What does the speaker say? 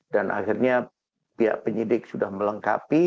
dan akhirnya pihak penyidik sudah melengkapi